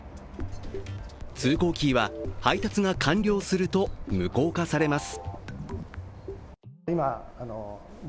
通行キーは配達が完了すると無効化されます。